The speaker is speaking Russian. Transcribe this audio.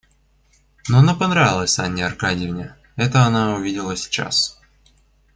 Но она понравилась Анне Аркадьевне, — это она увидела сейчас.